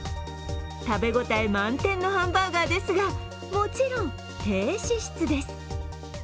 食べ応え満点のハンバーガーですが、もちろん低脂質です。